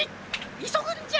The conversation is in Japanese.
いそぐんじゃ！